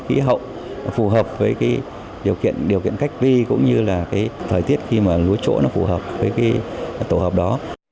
khí hậu phù hợp với điều kiện cách vi cũng như là thời tiết khi mà lúa chỗ nó phù hợp với cái tổ hợp đó